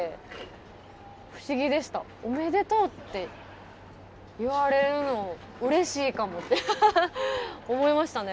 おめでとうって言われるのうれしいかもって思いましたね。